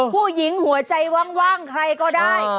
ผู้หญิงหัวใจว่างใครก็ได้